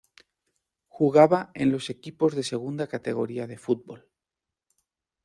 Jugaba en los equipos de Segunda Categoría de Fútbol.